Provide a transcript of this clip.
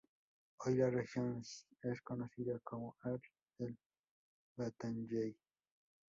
Hoy la región es conocida como Ard-el-Bathanyeh.